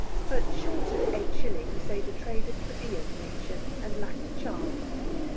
But, short of eight shillings, they betrayed a plebeian nature, and lacked charm.